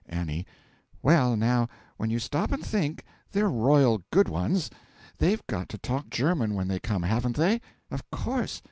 A. Well, now, when you stop and think, they're royal good ones. They've got to talk German when they come, haven't they? Of course.